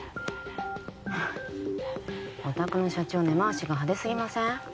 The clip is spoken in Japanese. お宅の社長根回しが派手すぎません？